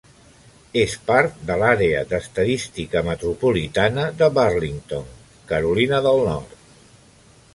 És part de l'àrea d'estadística metropolitana de Burlington, Carolina del Nord.